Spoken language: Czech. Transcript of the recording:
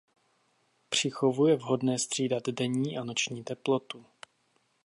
Při chovu je vhodné střídat denní a noční teplotu.